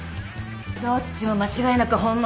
どっちも間違いなく本物。